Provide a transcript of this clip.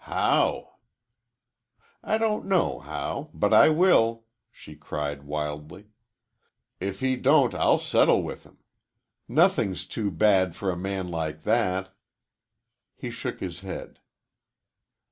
"How?" "I don't know how, but I will," she cried wildly. "If he don't I'll settle with him. Nothing's too bad for a man like that." He shook his head.